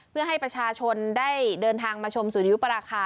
เพื่อให้ประชาชนได้เดินทางมาชมสุริยุปราคา